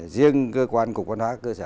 riêng cơ quan cục quản hóa cơ sở